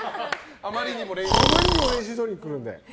あまりにも練習どおりに来るので。